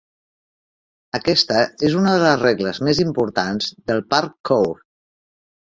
Aquesta és una de les regles més importants del parkour.